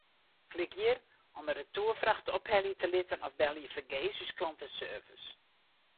Klik hjir om in retoerfracht ophelje te litten of belje fergees ús klanteservice.